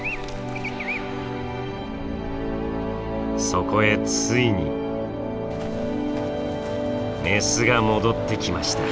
そこへついにメスが戻ってきました。